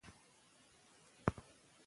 ښوونې د ماشوم چلند ښه کوي.